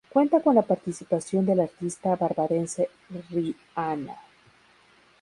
Cuenta con la participación de la artista barbadense Rihanna.